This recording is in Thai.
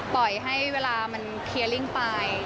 ปล่อยให้เวลามันเคลียร์ลิ่งไป